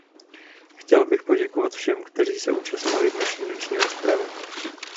Chtěl bych poděkovat všem, kteří se účastnili dnešní noční rozpravy.